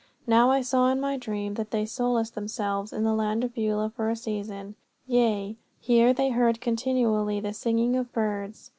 Now, I saw in my dream that they solaced themselves in the land of Beulah for a season. Yea, here they heard continually the singing of birds.